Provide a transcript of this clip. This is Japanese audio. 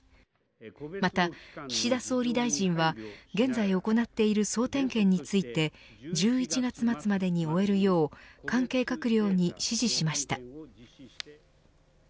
また、岸田総理大臣は現在行っている総点検について１１月末までに終えるよう関係閣僚に指示しました。